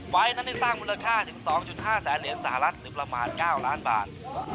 นั้นนี่สร้างมูลค่าถึง๒๕แสนเหรียญสหรัฐหรือประมาณ๙ล้านบาท